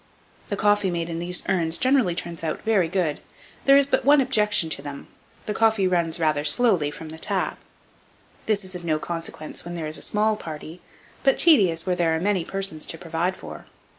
The coffee made in these urns generally turns out very good, and there is but one objection to them, the coffee runs rather slowly from the tap. This is of no consequence where there is a small party, but tedious where there are many persons to provide for.